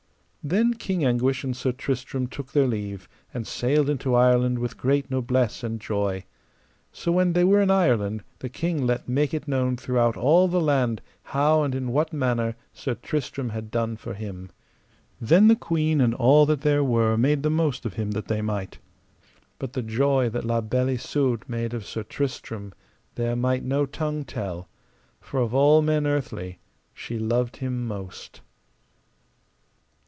Then King Anguish and Sir Tristram took their leave, and sailed into Ireland with great noblesse and joy. So when they were in Ireland the king let make it known throughout all the land how and in what manner Sir Tristram had done for him. Then the queen and all that there were made the most of him that they might. But the joy that La Beale Isoud made of Sir Tristram there might no tongue tell, for of all men earthly she loved him most.